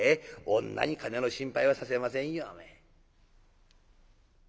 女にカネの心配はさせませんよおめえ」。